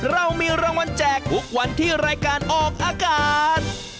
เรามีรางวัลแจกทุกวันที่รายการออกอากาศ